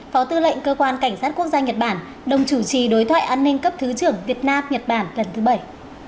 phó tư lệnh cơ quan cảnh sát quốc gia nhật bản đồng chủ trì đối thoại an ninh cấp thứ trưởng việt nam nhật bản lần thứ bảy